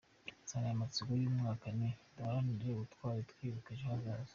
Insanganyamatsiko y’uyu mwaka ni : "Duharanire Ubutwari, twubaka ejo hazaza".